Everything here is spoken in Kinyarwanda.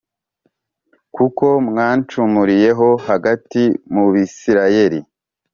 Kuko mwancumuriyeho hagati mu bisirayeli